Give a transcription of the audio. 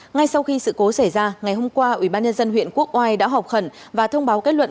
ngay sau khi sự cố xảy ra ngày hôm qua ubnd huyện quốc oai đã họp khẩn và thông báo kết luận